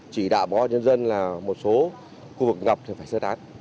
chỉ đạo bà nhân dân là một số khu vực ngập thì phải sơ tán